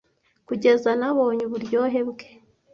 kugeza nabonye uburyohe bwe